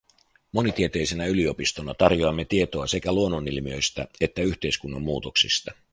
Monitieteisenä yliopistona tarjoamme tietoa sekä luonnonilmiöistä että yhteiskunnan muutoksista.